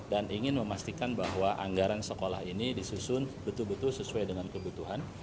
dan ingin memastikan bahwa anggaran sekolah ini disusun betul betul sesuai dengan kebutuhan